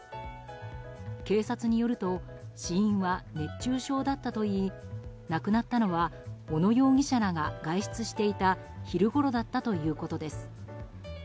警察によると死因は熱中症だったといい亡くなったのは小野容疑者らが外出していた昼ごろだったということです。